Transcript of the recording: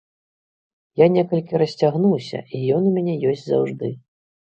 Я некалі расцягнуўся, і ён у мяне ёсць заўжды.